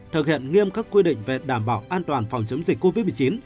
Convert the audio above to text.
thực hiện nghiêm các quy định về đảm bảo an toàn phòng chống dịch covid một mươi chín